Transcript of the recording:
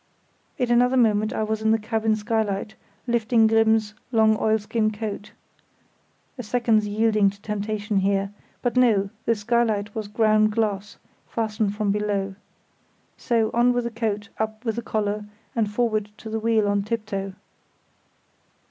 In another moment I was at the cabin skylight, lifting Grimm's long oilskin coat. (A second's yielding to temptation here; but no, the skylight was ground glass, fastened from below. So, on with the coat, up with the collar, and forward to the wheel on tiptoe.)